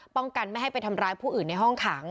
ป้องกันไม่ให้ไปทำร้ายผู้อื่นในห้องขัง